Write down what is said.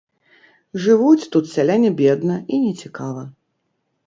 Жывуць тут сяляне бедна і нецікава.